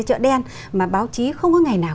chợ đen mà báo chí không có ngày nào